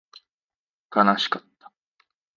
悲しかった